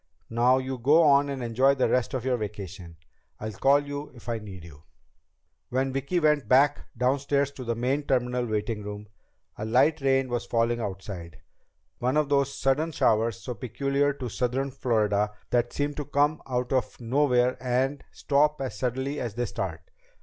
Now you go on and enjoy the rest of your vacation. I'll call you if I need you." When Vicki went back downstairs to the main terminal waiting room, a light rain was falling outside, one of those sudden showers so peculiar to southern Florida that seem to come out of nowhere and stop as suddenly as they start.